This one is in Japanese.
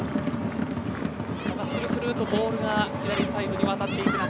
するするとボールが左サイドに渡っていく中